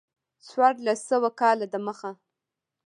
څوارلس سوه کاله د مخه.